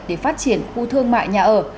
để phát triển khu thương mại nhà ở